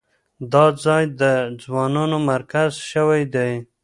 دا ځای د ځوانانو مرکز شوی دی.